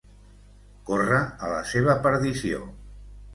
Córrer a la seva perdició.